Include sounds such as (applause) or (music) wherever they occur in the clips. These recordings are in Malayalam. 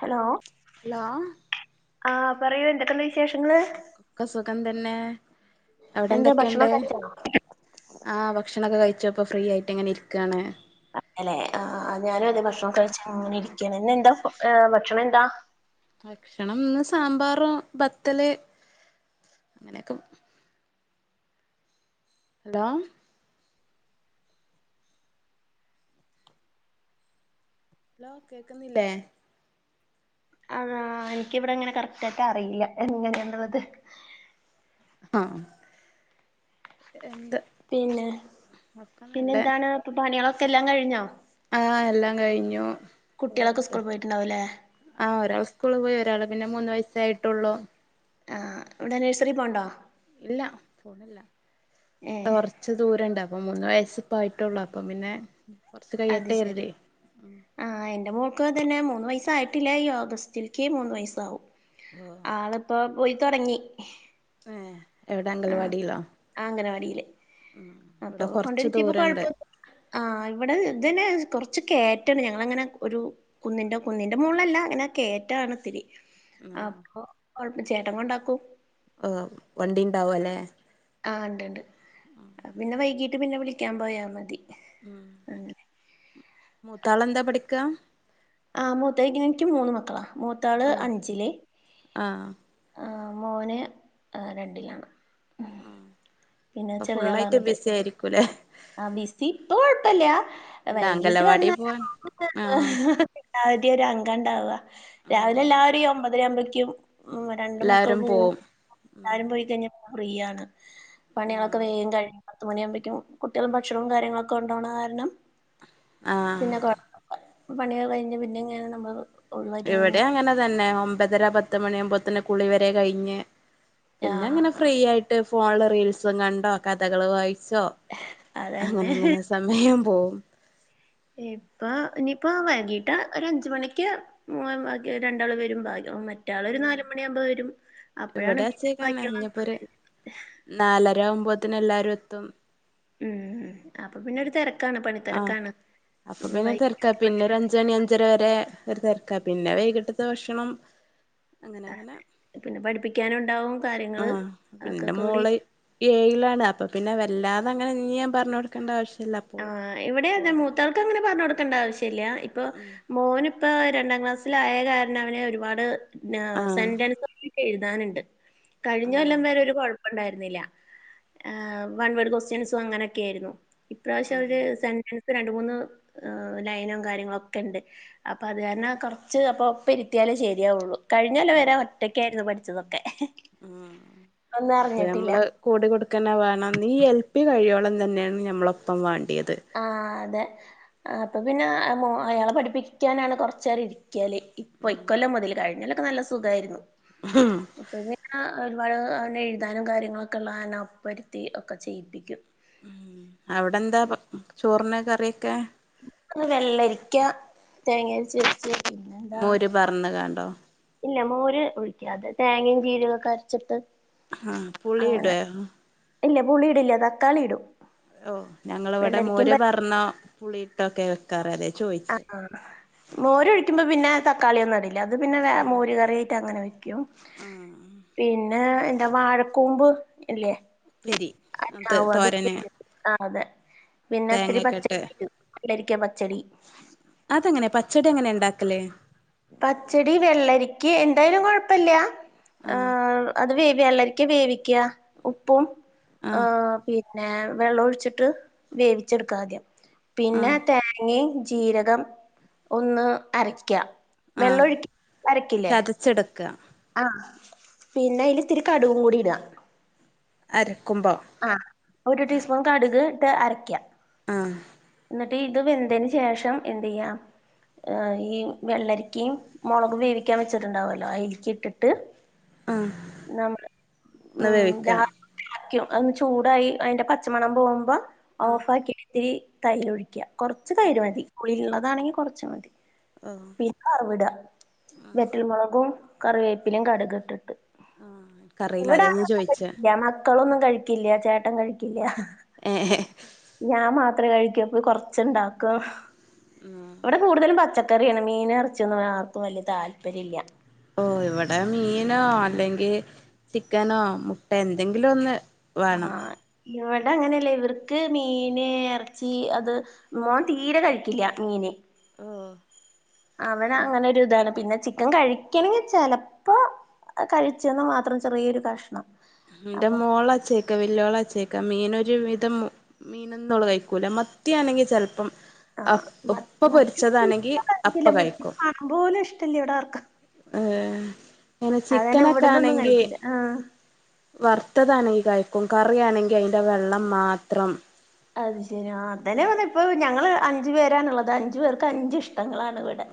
ഹലോ. ഹലോ. ആഹ് പറയൂ എന്തൊക്കെണ്ട് വിശേഷങ്ങള്. ക്കെ സുഖം തന്നെ എന്താ ഭക്ഷണം അവിടെന്തെക്കെണ്ട്. കഴിച്ചോ ആഹ് ഭക്ഷണൊക്കെ കഴിച്ചു അപ്പൊ ഫ്രീയായ്ട്ട്ങ്ങനെ ഇര്ക്കാണ്. അതേല്ലെ ആ അ ഞാനും അതെ ഭക്ഷണം കഴിച്ചങ്ങനെ ഇരിക്ക്യാണ് ഇന്നെന്താ ഫു ഏ ഭക്ഷണന്താ. ഭക്ഷണം ന്ന് സാമ്പാറും ബത്തല് അങ്ങനെയൊക്കെ. ന്താ. ഹലോ കേക്കുന്നില്ലേ. ആഹ് ഇൻക്കിവിടങ്ങനെ കറക്റ്റായിട്ടറിയില്ല എങ്ങനെയന്ന്ള്ളത്. ആഹ് എന്ത്. പിന്നെ ഒക്കെ നല്ലേ പിന്നെന്താണ് പ്പ പണ്യളൊക്കെല്ലാം കഴിഞ്ഞോ. ആഹ് എല്ലാം കഴിഞ്ഞു. കുട്ട്യാളൊക്കെ വെറുതെ സ്കൂൾ പോയിട്ടുണ്ടാവുല്ലേ. ആഹ് ഒരാള് സ്കൂള് പോയി ഒരാള് പിന്നെ മൂന്ന് വയസ്സായിട്ടുള്ളു. ആഹ് ഇവിടെ നഴ്സറി പോണ്ടോ. ഇല്ല ഫോണില്ല ഏഹ് തോർ ച്ച് ദൂരണ്ട് അപ്പം മൂന്ന് വയസ്സിപ്പായിട്ടോള്ളു അപ്പം പിന്നെ. കൊറച്ച് അത് കഴിയട്ടെ ശരി. കരുതി ആഹ് എന്റെ മോൾക്കും അതന്നെ മൂന്ന് വയസായിട്ടില്ല ഈ ഓഗസ്റ്റിൽക്ക് മൂന്ന് വയസ്സാവും. ഓഹ് ആള്പ്പോ പോയി തൊട്ങ്ങി. ഏഹ്. എവിടെ അംഗൽവാടിയിലോ ആ അംഗനവാടിയില്. മ് ഇവിടെ കൊർച്ച് ദൂരണ്ട്. ആഹ് ഇവിടെ ഇതെന്നെ കൊർച്ച് കേറ്റാണ് ഞങ്ങളങ്ങനെ ഒരു കുന്നിന്റെ കുന്നിന്റെ മോൾലല്ലാ ങ്ങനെ കേറ്റാണ് ത്തിരി. ആഹ് അപ്പൊ കൊഴപ ചേട്ട കൊണ്ടാക്കും. ഓഹ് വണ്ടിണ്ടാവും അല്ലെ. ആഹ് ഇണ്ട്ണ്ട് പിന്നെ വൈകീട്ട് പിന്നെ വിളിക്ക്യാൻ പോയാ മതി. ഉം അങ്ങനെ മൂത്താളെന്താ പഠിക്കാ. ആഹ് മൂത്തേക്കിനക്ക് മൂന്ന് മക്കളാ മൂത്താള് ആഹ് അഞ്ചില് ആഹ് ആഹ് മോന് രണ്ടിലാണ് ഉം. മ് പിന്നെ അപ്പം ഫുള്ളായിട്ട് ബിസി ആയിരിക്കുംല്ലെ ആഹ് ബിസി ഇപ്പൊ കൊഴപ്പല്ല അല്ല വൈകീട്ട് അംഗലവാടി വന്നാൽ പോവാൻ ആഹ് എല്ലാവർടെയും ഒരു അങ്കം ഇണ്ടാവാ ഉം രാവിലെ എല്ലാവരും ഈ ഒമ്പതര ആവുമ്പഴേക്കും മ് രണ്ട് മക്കൾ പോവും എല്ലാരും പോയി കഴിഞ്ഞാ ഫ്രീയാണ് പണികളൊക്കെ ആഹ് വേം കഴിഞ്ഞ പത്ത് മണിയാവുമ്പഴേക്കും കുട്ടികൾ ഭക്ഷണവും കാര്യങ്ങളൊക്കെ കോണ്ടോവണ കാരണം ആഹ് പിന്നെ പണിയൊക്കെ കഴിഞ്ഞ് പിന്നെ ഇങ്ങെ നമ്മ ഇവിടെ അങ്ങനെ തന്നെ ഒമ്പതര പത്ത് മണിയാകുമ്പോത്തിന് കുളി വരെ കഴിഞ്ഞ് ആ പിന്നെങ്ങനെ ഫ്രീയായ്ട്ട് ഫോണില് റീൽസും കണ്ടോ കഥകൾ വായിച്ചോ. അതന്നെ. അങ്ങനങ്ങനെ സമയം പോവും. ഇപ്പൊ ഇനിയിപ്പോ വൈകീട്ട് ഒര് അഞ്ച് മണിക്ക് മോൻ ബാക്കി രണ്ടാള് വരും ഭാഗ്യ മറ്റാൾ ഒരു നാലുമണിയാവുമ്പം വരും അപ്പോഴാണ് പിന്നെ ഇവിടെച്ചേക്കന്നെ ബാക്കിയുള്ള ഇഞ്ഞ്പ്പോര് നാലര ആവുമ്പോത്തിന് എല്ലാരും എത്തും മ് മ് അപ്പൊ പിന്നെ ഒരു തെരക്കാണ് പണി ആഹ് തെരക്കാണ് വൈകിട്ടത്തെ ഭക്ഷണണ്ടക്ക രാത്രി വരെ ഒരു തിരക്ക പിന്നെ വൈകിട്ടത്തെ ഭക്ഷണം അങ്ങനെ അങ്ങനെ പിന്നെ പഠിപ്പിക്കാനുണ്ടാവും കാര്യങ്ങള് ആഹ് അതൊക്കെ ഇപ്പിന്റെ കൂടി മോള് ഏയിലാണ് അപ്പൊ പിന്നെ വല്ലാതെങ്ങനെ ഇഞ്ഞീ ഞാൻ പറഞ്ഞ് കൊടുക്കണ്ട ആവശ്യല്ല അപ്പോള് ആഹ് ഇവിടെ അതെ ഓൾതൊക്കെ മൂത്താൾക്ക് അങ്ങനെ പറഞ്ഞു കൊടുക്കണ്ട ആവശ്യല്ല ഇപ്പൊ മോൻ ഇപ്പ രണ്ടാം ക്ലാസ്സിലായ കാരണം അവന് ഒരുപാട് ആഹ് സെന്റൻസ് എഴുതാനുണ്ട് കഴിഞ്ഞ ആഹ് കൊല്ലം വരെ ഒരു കൊഴപ്പം ണ്ടായിരുന്നില്ല വൺവേഡ് ക്വസ്റ്റ്യൻസും അങ്ങനെയൊക്കെ ആയിരുന്നു ഇപ്രാവശ്യം ആഹ് അവര് സെന്റൻസ് രണ്ട് മൂന്ന് ലൈനും കാര്യങ്ങളും ഒക്കെ ഇണ്ട് അപ്പം അത് കാരണം കോറച്ച് അപ്പ ഒപ്പം ഇരുത്തിയാലേ ശരിയാവുള്ളൂ കഴിഞ്ഞോല്ലം വരെ ഒറ്റയ്ക്കായിരുന്നു പഠിച്ചതൊക്കെ മ് ഒന്നും അപ്പൊ അറിഞ്ഞിട്ടില്ല ഞമ്മള് കൂടി കൊടുക്കെന്നെ വേണംന്ന് ഈ എൽ പി കഴിയോളം തന്നെയാണ് നമ്മൾ ഒപ്പം വേണ്ടിയത് ആഹ് അതെ അപ്പൊ പിന്നെമോ അയാളെ പഠിപ്പിക്കാനാണ് കുറച്ച നേരം ഇരിക്ക ല് ഇപ്പൊ ഇക്കൊല്ലം മുതൽ കഴിഞ്ഞോലൊക്കെ നല്ല സുഖായിരുന്നു ഹം ഇപ്പൊ പിന്നെ ഒരുപാട് അ എഴുതാനും കാര്യങ്ങളൊക്കെ ഉള്ള കാരണം ഒപ്പരുത്തി ഒക്കെ ചെയ്യിപ്പിക്കും അവിടെ എന്താ ചോറിന് കറിയൊക്കെ വെള്ളരിക്ക തേങ്ങ അരിച്ച് വെച്ച് പിന്നെന്താ മോര് പാർന്ന്കാണ്ടോ ഇല്ല മോര് ഉഴിക്കാതെ തേങ്ങയും ജീരകും അരച്ചിട്ട് ആഹ് അങ്ങനെ പുളിയിടെ ഇല്ല പുളി ഇടില്ല തക്കാളി ഇടും ഓഹ് ഞങ്ങളിവിടെ വെള്ളരിക്കും പ മോര് പാർന്ന പുളിയിട്ടോ ഒക്കെ വെകാറ് അതാ ചോയിച്ചത് ആഹ് മോര ഒഴിക്കുമ്പോ പിന്നെ തക്കാളിയ ഒന്നുംടല്ല അത് പിന്നെ മോര് കറിയായിട്ട് അങ്ങനെ ക്കും ആഹ് പിന്നെ എന്താ വാഴകൂമ്പ് ഇല്ലേ ഉപ്പേരി അത് അതൊക്കെ തോരന് ആ അതെ പിന്നെ ഇത്തിരി തേങ്ങക്കെ ഇട്ട് പച്ചകറി വെള്ളരിക്ക പച്ചടി അതെങ്ങനെ പച്ചടി എങ്ങനെ ണ്ടാക്കല് പച്ചടി വെള്ളരിക്കേ എന്തായാലും കൊഴപ്പല്ല ആഹ് ഏഹ് അത് വെള്ളരിക്യാ വേവിക്ക്യ ഉപ്പും ആഹ് ഏ വെള്ളോഴിച്ചിട്ട് വേവിച്ചെടുക്കാ ആദ്യം പിന്നെ ആഹ് പിന്നെ ജീരകം ഒന്ന് അരയ്ക്ക ആഹ് ചതച്ചെടുക്കാ ആഹ് പിന്നെ അതിൽ ഇത്തിരി കടുകും കൂടി ഇടാ അരക്കുമ്പോ ആഹ് ഒര് ടീസ്പൂൺ കടുക് ട്ട് അരക്ക ആഹ് ഇന്നിട്ട് ഇത് വെന്തേന് ശേഷം എന്തെയ്യാ ഈ വെള്ളേരിക്കിം മൊളകും വേവിക്കാൻ വെച്ചിട്ടുണ്ടാവല്ലോ അയൽക്കിട്ടിട്ട് ആഹ് നമ്മുടെ ഒന്ന് ഹ്മ്മ് വേവിക്ക രാ അതൊന്ന് ചൂടായി അയിന്റെ പച്ചമണം പോകുമ്പോ ആഹ് ഓഫാക്കി ഇത്തിരി തൈരൊഴിക്ക്യ. കൊറച്ച് തൈര് ഓഹ് മതി പുളിയിള്ളതാണെങ്കിൽ കൊറച്ച് മതി. ആഹ് പിന്നെ വറവ്ട വെറ്റൽമുളകും കറിവേപ്പിലിം കടുക് ഇട്ടിട്ട് ആഹ് ഇൻക്കറീല ഇവിടെ അതാ ഞാൻ ആര്ക്കും ചോയിച്ചെ പറ്റില്ല മക്കളൊന്നും കഴിക്കില്ല ചേട്ടൻ കഴിക്കില്ല. ഏഹ് ഞാൻ മാത്രേ കഴിക്കൂ, അപ്പോ കൊറച്ച്ണ്ടാക്കു ആഹ് ഇവടെ കൂടുതലും പച്ചക്കറിയാണ്. മീന് ഇറച്ചിയൊന്നും ആർക്കും വല്യ താല്പര്യല്ലാ ഓഹ് ഇവടെ മീനോ അല്ലെങ്കില് ചിക്കനോ മുട്ടേ എന്തെങ്കിലും ഒന്ന് വേണം ആഹ് ഇവടങ്ങനെയല്ലാ, ഇവർക്ക് മീന് ഇറച്ചി അത് മോൻ തീരെ കഴിക്കില്ല മീന്. ഓഹ് അവനങ്ങനൊരിതാണ്. പിന്നെ ചി ക്കൻ കഴിക്കണെങ്കിൽ ചെലപ്പോ ഏഹ് കഴിച്ച്ന്ന് മാത്രം ചെറിയൊരു കഷ്ണം ഇന്റെ അപ്പം മോളച്ചേ ക്കാ വല്യോളച്ചേക്കാ മീനൊരു വിധം മീനൊന്നും ഓള് കഴികൂല മത്തിയാണെങ്കിൽ ചെലപ്പം അ ആഹ് അപ്പ മത്തി മത്തി പൊരിച്ചതാണെങ്കി തീരെ അപ്പ കഴിക്കില്ല മത്തി കഴിക്കും. കാണുമ്പോ പോലും ഇഷ്ടല്ല ഇവിടെ ആർക്കും ആഹ് പിന്നെ അതന്നെ ഇവിടന്നൊന്നും ചിക്കനൊക്കാണങ്കി കഴിക്കില്ല ആഹ് വർത്തതാണെങ്കി കഴിക്കും. കറിയാണെങ്കി അതിന്റെ വെള്ളം മാത്രം അത് ശെരി. ആഹ് അതനെ പറഞ്ഞെ ഇപ്പം ഞങ്ങള് അഞ്ച് പേരാണുള്ളത് അഞ്ച്പേർക്ക് അഞ്ച് ഇഷ് ടങ്ങളാണിവിടെ.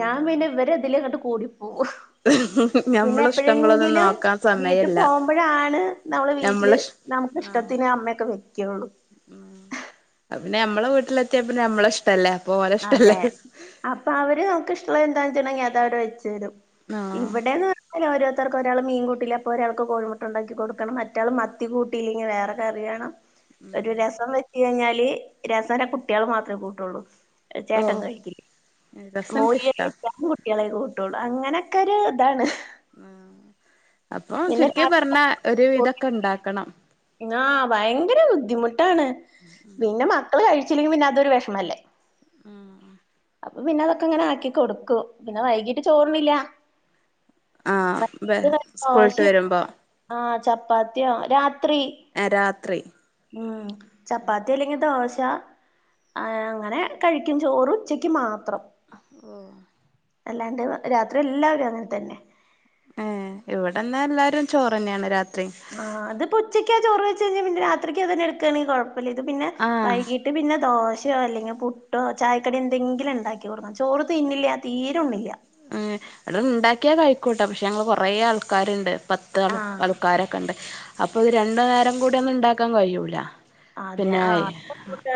ഞാൻ പിന്നെ ഇവരെ ഇതിലങ്ങട്ട് കൂടിപ്പോവും. പിന്നെ ഞമ്മളെ ഇഷ്ടങ്ങളൊന്നും എപ്പഴെങ്കിലും നോക്കാൻ വീട്ടി സമയല്ല പോകുമ്പഴാണ് നമ്മള് വീട്ടില് ഞമ്മളെ ഇഷ് ആഹ് നമുക്കിഷ്ട്ടത്തിന് അമ്മൊക്കെ നിക്കൊള്ളൂ. (inaudible) പിന്നെ നമ്മളെ വീട്ടിലെത്തിയാ പിന്നെ നമ്മളെഷ്ടല്ലേ അതെ അപ്പ അവര് നമുക്ക് ഇഷ്ടള്ളന്താച്ചാണ്ടെങ്കിൽ അതങ്ങട്ട് വെച്ചെരും. ആഹ് ഇവിടെന്ന് അയില് ഓരോര്ത്തർക്ക് ഒരാള് മീൻ കൂട്ടില്ല അപ്പോ ഒരാൾക്ക് കോഴിമുട്ട ഇണ്ടാക്കി കൊടുക്കണം, മറ്റാള് മത്തി കൂട്ടിയില്ലെങ്കിൽ വേറെ കറിവേണം. ഒര് രസം വെച്ച് കഴിഞ്ഞാല് രസ പിന്നെ കുട്ട്യാള് മാത്രേ കൂട്ടൊള്ളൂ ഓ ചേട്ടൻ കഴിക്കില്ല. രസം മോര് കറി എനിക്കിഷ്ടാ വെച്ചാ കു കുട്ടിയളെ അത് കൂട്ടൊള്ളൂ. അങ്ങനൊക്കൊര് ഇതാണ്. അപ്പൊ പിന്നെ ചുരുക്കി പറഞ്ഞാ ഒര് രാത്രി വിധക്കണ്ടാക്കണം. ആഹ് ഭയങ്കര ബുദ്ധിമുട്ടാണ്. പിന്നെ മക്കള് കഴിച്ചില്ലെങ്കിൽ അതൊര് വെഷമല്ലേ ആഹ് അപ്പൊ പിന്നെ അതൊക്കെ ഇങ്ങനെ ആക്കി കൊടുക്കും. പിന്നെ വൈകീട്ട് ചോറുണില്ല. ആ വൈകിട്ട് ബെ പിന്നെ സ്കൂളിട്ട് ദോശയോ വരുമ്പോ ആഹ് ചപ്പാത്തിയോ രാത്രി. ആഹ് രാത്രി. ഹ്മ്മ് ചപ്പാത്തി അല്ലെങ്കിൽ ദോശ ഏഹ് അങ്ങനെ കഴിക്കും. ചോറ് ഉച്ചക്ക് മാത്രം ഹ്മ്മ് അല്ലാണ്ട് രാത്രി എല്ലാവരും അങ്ങനെ തന്നെ ഏഹ് ഇവടെന്നാ എല്ലാരും ചോറെന്നെണ് രാത്രി. ആഹ് അത് പൊച്ചയ്ക്കാ ചോറ് വെച്ച് കഴിഞ്ഞാൽ പിന്നെ രാത്രിക്ക് അതന്നെ എടുക്കയാണെങ്കി കൊഴപ്പല്ല ഇത് പിന്നെ ആ വൈകിട്ട് ഇട്ട പിന്നെ ദോശയോ അല്ലെങ്കിൽ പുട്ടോ ചായക്കടി എന്തെങ്കിലും ഉണ്ടാക്കി കൊടുക്കണം ചോറ് തിന്നില്ല തീര ഉണ്ണില്ല ഉം അവിടെ ഉണ്ടാക്കിയാ കഴിക്കോട്ടെ പക്ഷെ ഞങ്ങ കൊറെ ആൾക്കാരുണ്ട്. പത്ത് ആഹ് ആൾക്കാരൊക്കെ ഉണ്ട് അപ്പൊ ഇത് രണ്ടു നേരം കൂടി ഒന്നും ഉണ്ടാക്കാൻ കഴിയൂല. അതെ പിന്നെ ആഹ് ട്ട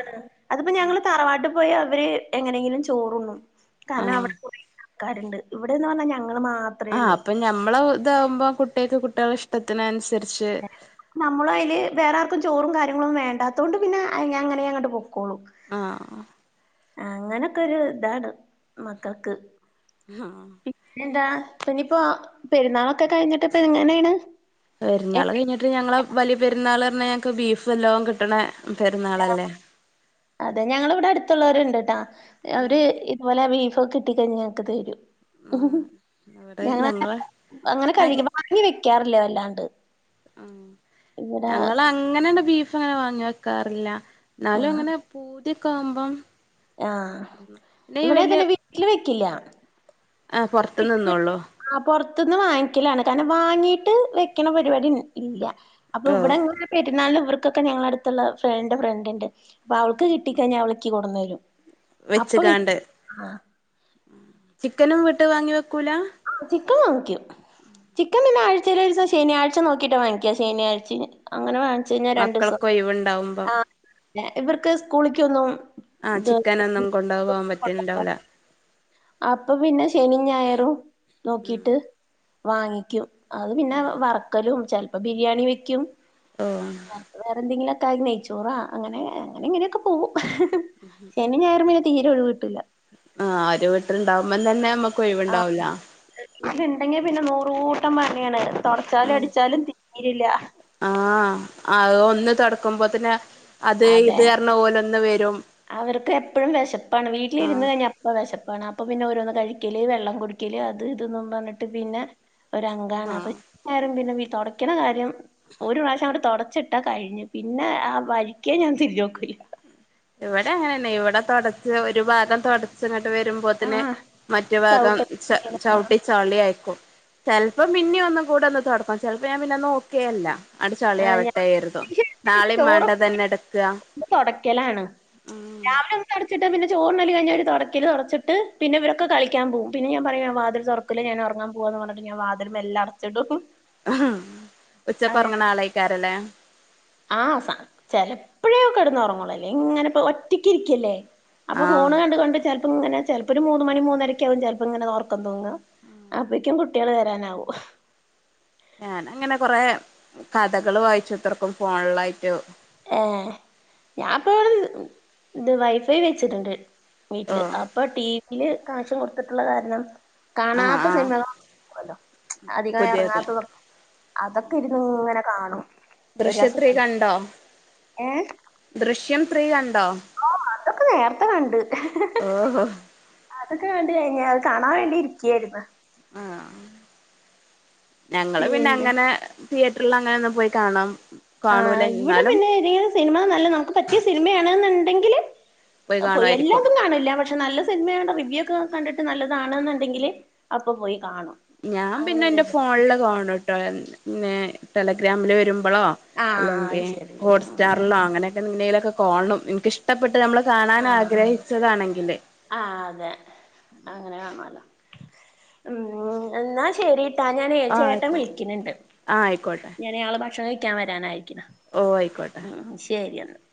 അതിപ്പോ ഞങ്ങള് തറവാട്ടിൽ പോയി അവര് എങ്ങനെങ്കിലും ചോറണും. കാരണം ആ അവിടെ കുറ ആൾക്കാരുണ്ട് ഇവിടെന്ന് പറഞ്ഞാൽ ഞങ്ങള്ൾ മാത്രം ആഹ അപ്പൊ ഞമ്മള ഇതാവുമ്പോ കുട്ടികക്ക് കുട്ടിയളെ ഇഷ്ടത്തിന് അനുസരിച്ച് നമ്മള് അതില് വേറെ ആർക്കും ചോറും കാര്യങ്ങളൊും വേണ്ടാത്ത കൊണ്ട് പിന്നെ അങ്ങനെ അങ്ങോട്ട് പൊക്കോളും ആഹ് അങ്ങനൊക്കെ ഒരു ഇതാണ് മക്കക്ക് ആഹ് പിന്നെ എന്താ പിന്നനിയിപ്പോ പെരുന്നാളൊക്കെ കഴിഞ്ഞിട്ട്പ്പ എങ്ങനെയാണ്? എ- പെരുന്നാൾ കഴിഞ്ഞിട്ട് ഞങ്ങള് വലിയ പെരുന്നാൾ പറഞ്ഞ ഞങ്ങക്ക് ബീഫ് എല്ലാം കിട്ടണ പെരുന്നാൾല്ലേ? അതെ ഞങ്ങള ഇവിടെ അടുത്തുള്ളവരുണ്ട് കേട്ടാ അവര് അതുപോലെ ബീഫ് കിട്ടി കഴിഞ്ഞങ്ങക്കക്ക് തരും ഉം ആഹ് ഇവിടെ ഞങ്ങ ഞങ്ങളെ അങ്ങനെ കഴി വാങ്ങി വെക്കാറില്ലേ വല്ലാണ്ട്. ഉം ഇവിടെ ഞങ്ങ അങ്ങനെണ്ട് ബീഫ അങ്ങനെ വാങ്ങി വെക്കാറില്ല. എന്നാലും ആഹ് അങ്ങനെ പൂതിയൊക്കെ ആവുമ്പം ആഹ് പിന്നെ ഈ വലിയ ഇവിടെതന്നെ വീട്ടിൽ വെക്കില്ല. ആഹ് പുറത്തു നി നിന്നോള്ളൂ ആഹ് പുൊറത്തന്ന് വാങ്ങിക്കലാണ് കാരണം വാങ്ങിട്ട് വെക്കണ പരിപാടി ഇല്ല. അപ്പൊ ഓഹ് ഇവിടെ ങ്ങനെ പെരുന്നാൾും ഇവർക്കൊക്കെ ഞങ്ങളടുത്തുള്ള ഫ്രണ്ട് ഫ്രണ്ട് ഉണ്ട് അപ്പൊ അവൾക്ക് കിട്ടി കഴിഞ്ഞാൽ അവളക്ക് കൊടുന്നരും വെച്ച കാണ്ട് ചിക്കനും വിട്ട് വാങ്ങി വെക്കൂല. ചിക്കൻ വാങ്ങിക്കും ചിക്കൻ പിന്നെ ആഴ്ചയിലെ ദിവസം ശനിയാഴ്ച നോക്കിട്ടാ വാങ്ങിക്കുക ശനിയാഴ്ച അങ്ങനെ ച്ചാ രണ്ടു ദിവസം മക്കൾക്ക് ഒഴിവുണ്ടാവുമ്പം ആഹ് ഇവർക്ക് സ്കൂളക്ക്ന്നും ആഹ് ചിക്കന ഒന്നും കൊണ്ടു പോകാൻ പറ്റുന്നുണ്ടാവില. അപ്പൊ പിന്നെ ശനി ഞായറും നോക്കിട്ട് വാങ്ങിക്കും. അത് പിന്നെ വറക്കലും ചിലപ്പോ ബിരിയാണി വെക്കും. ഉം ചെലപ്പോവേറെന്തെങ്കിലുംക്കെ ആയി നെയച്ചോറാ അങ്ങനെ അങ്ങനെ ഇങ്ങനെയൊക്കെ പോകും. ശനി ഞായറും പിന്നെ തീരെ ഒഴി കിട്ടുല്ല. ആഹ് ഒരു വീട്ടിലുണ്ടാവുമ്പം തന്നെ നമ്മ ആഹണ്ടെങ്കി പിന്നെ നൂറ്കൂട്ടം പണിയാണ്. തുടച്ചാലും ഉം അടിച്ചാലും തീരില്ല ആഹ് ആ ഒന്ന് തടക്കുമ്പോതന് അത് അതെ ഇത് (unintelligible) ഓരോന്ന് വരും അവർക്ക് എപ്പഴും വിശപ്പാണ് വീട്ടിലിരുന്ന് ആഹ് കഴിഞ്ഞാപ്പ വിശപ്പാണ് അപ്പ പിന്നെ ഓരോന്ന് കഴിക്കല് വെള്ളം കുടി ക്കില് അത് ഇതും എന്ന് പറഞ്ഞിട്ട് പിന്നെ ഒരാങ്കാണ് അപ്പൊ ആഹ് (unintelligible) പിന്നെ തുടക്കണ കാര്യം ഒരു പ്രാവശ്യം അങ്ങട് തുടച്ചിട്ട് ഇട്ട കഴിഞ്ഞ് പിന്നെ ആ വഴിക്കേ ഞാൻ തിരിഞ് നോക്കില്ല ഇവിടെ എങ്ങനന്നെ ഇവിടെ തുടച്ച് ഒരു ഭാഗം തുടച്ചങ്ങട്ട് വരുമ്പോ പ്പോതിന് ആഹ് മറ്റു ഭാഗം ചവിട്ട ച ആഹ് ചവിട്ടി ചളി ആക്കും ചെലപ്പം പിന്നെ ഒന്നും കൂടെ ഒന്ന് തുടക്കും ചെലപ്പോ ഞാൻ പിന്നെ നോക്കേ അല്ല അട്ട് ആഹ് ഞാൻ ചളിയവട്ടെയിരുന്നു നാളെയും മേണ്ടന്നെ ചോറൊക്കെ എടുക്കുക തൊടക്കലാണ് രാവിലെ ഒന്ന് ച്ചിട്ട് പിന്നെ ചോറുണ്ണല് കഴിഞ്ഞ് ഒരു തൊടക്കല് തൊടച്ചിട്ട് പിന്നിവരൊക്കെ കളിക്കാ പോമ് പിന്നെ ഞാൻ പറയാ വാതിൽ തുറ (unintelligible) ഞാനുറങ്ങാൻ പോകുവാന്ന് പറഞ്ഞട്ട് ഞാ വതില് മെല്ലെ അടച്ചിടും ഉഹ് അങ്ങനെ ഉച്ചപ്പറങ്ങണ ആളായിക്കാറില്ലേ ആഹ് സ ചെലപ്പോഴേോ കെടന്ന് ഒറങ്ങോള്ളൂ അല്ലെ ഇങ്ങനെപ്പോ ഒറ്റക്കിരിക്കല്ലേ അപ്പൊ ആഹ് ഫോണ് കണ്ട് കണ്ട് ചെല്പ ഇങ്ങനേ ചെല്പ ഒരു മൂന്ന് മണി മൂന്നരക്ക്‌ ആകും ചെല്പ്ഇങ്ങനേ ഒറ ഒക്കം തൂങ്ങാ അപ്പേയ്ക്കും കുട്ട്യേൾ വരാനാവും ഞാൻ അങ്ങനെ കൊറെ കഥകള് വായിച്ചുത്രക്കും ഫോണിലായിട്ട് ഏഹ് ഞാപ്പവിടെ ഇത് വൈഫൈ വെച്ചിട്ട്ണ്ട് ഓ വീട്ടില് ആപ് ഇപ്പൊ ടീവില് കാശ് കൊടുത്തിട്ടുള്ള കാര്ണം ആഹ് കാണാത്ത ആഹ് സിനിമകൾ (inaudible) അധികം പുതിയത് എറങ്ങാത്തതൊ (unintelligible) അതൊക്കെ ഇരുന്ന് ഇങ്ങനെ കാണും ഒരു ദൃശ്യം ത്രീ രസത്തിൽ കണ്ടോ ഏഹ് ദൃശ്യം ത്രീ കണ്ടോ ഓ അതൊക്കെ നേര്ത്തെ കണ്ട് ഓഹോ അതൊക്കെ കണ്ട് കഴിഞ്ഞ് അത് കാണാൻ വേണ്ടി ഇരിക്ക്യേരുന്നു ആഹ് അഹ് ഞങ്ങള് പിന്നെ അങ്ങനെ തിയേറ്ററിൽ അങ്ങനെ ഒന്നും പോയി കാണു ആഹ് ഇവിടെ പിന്നെ ഏതെലും സിനിമ നല്ല നമുക്ക് പറ്റിയ സിനിമയാണെന്ന്ണ്ടെങ്കില് പോയി എല്ലാതും കാണില്ല പക്ഷെ നല്ല സ് സിനിമേടെ റിവ്യൂ ഒക്കെ കണ്ടിട്ട് നല്ലതാണ്ന്ണ്ടെങ്കില് അപ്പം പോയി കാണും അങ്ങനെ (unintelligible) (unintelligible) ന്നെ ടെലഗ്രാമില് വരുമ്പളൊ ആഹ് അല്ലെങ്കി അത് ശരി ഹോട്ട്സ്റ്റാറിലോ അങ്ങനെ എങ്ങനേലൊക്കെ കാണും. ഇൻക്കിഷ്ടപ്പെട്ട് നമ്മള് കാണാൻ ആഹ് ആഗ്രഹിച്ചതാണെങ്കില് ആഹ് അതെ അങ്ങനെ കാണോല്ലോ ഉം എന്നാ ശെരിട് ആഹ് ഞാനേ ആ ചേട്ടൻ ആയിക്കോട്ടെ വിളിക്ണ് ഇണ്ട് ആ ആയിക്കോട്ടെ ആള് ഭക്ഷണം കഴിക്കാ വരാനായിരിക്ക്ണ്. ഓ ആയിക്കോട്ടെ ഉം ശെരി എന്നാ